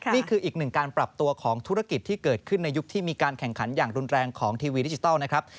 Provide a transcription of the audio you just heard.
นี่คืออีกหนึ่งการปรับตัวของธุรกิจที่เกิดขึ้นในยุคที่มีการแข่งขันอย่างรุนแรงของทีวีดิจิทัลนะครับ